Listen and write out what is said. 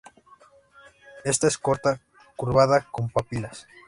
Esta es corta, curvada, con papilas.